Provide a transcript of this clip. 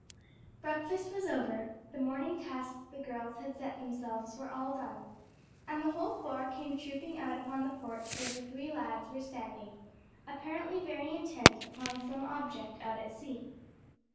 Breakfast was over, the morning tasks the girls had set themselves were all done, and the whole four came trooping out upon the porch where the three lads were standing apparently very intent upon some object out at sea.